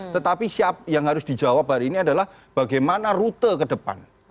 tetapi yang harus dijawab hari ini adalah bagaimana rute ke depan